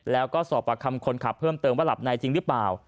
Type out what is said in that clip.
แล้วก็สอบประคำคนขับเพิ่มเติมว่าหลับในจริงหรือเปล่า